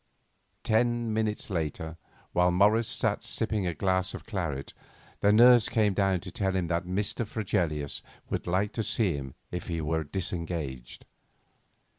Ten minutes later, while Morris sat sipping a glass of claret, the nurse came down to tell him that Mr. Fregelius would like to see him if he were disengaged.